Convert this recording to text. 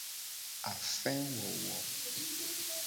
Afewowo.